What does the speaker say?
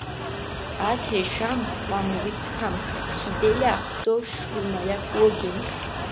ათე ჟამსჷ ჸვამურიცხამქ ქიდელახჷ დო შურიმალაფუო გინირთჷ.